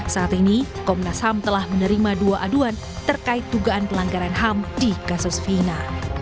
saat ini komnas ham telah menerima dua aduan terkait dugaan pelanggaran ham di kasus vina